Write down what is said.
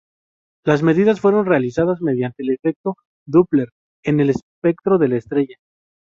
Las medidas fueron realizadas mediante el efecto Doppler en el espectro de la estrella.